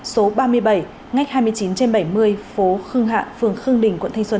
số ba mươi bảy ngách hai mươi chín trên bảy mươi phố khương hạ phường khương đình quận thanh xuân